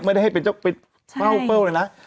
ไม่ได้ให้เป็นเจ้าเป็นใช่เปล่าเปล่าเลยนะ